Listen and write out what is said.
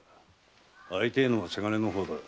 会いてえのは伜の方だ。